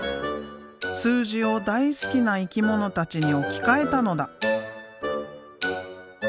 数字を大好きな生き物たちに置き換えたのだ。